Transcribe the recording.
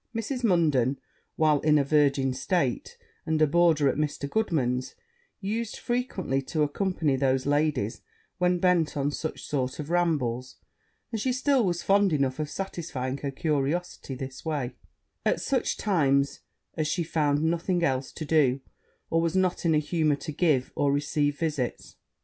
Mrs. Munden, while in a virgin state, and a boarder at Mr. Goodman's, used frequently to accompany those ladies when bent on such sort of rambles; and she still was fond enough of satisfying her curiosity this way, at such times as she found nothing else to do, or was not in a humour to give or receive visits.